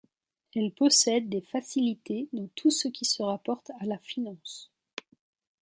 Elles possèdent des facilités dans tout ce qui se rapporte à la finance.